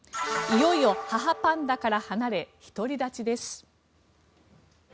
いよいよ母パンダから離れ独り立ちです。